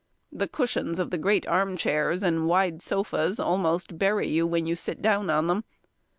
The cushions of the great arm chairs, and wide sofas, almost bury you when you sit down on them.